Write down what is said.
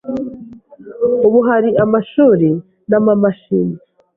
Ubu hari amashuri n’amamashini